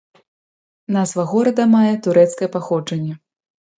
Назва горада мае турэцкае паходжанне.